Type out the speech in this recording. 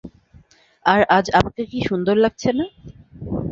আর আজ আমাকে কি সুন্দর লাগছে না?